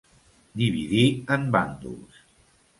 Dividir en bàndols.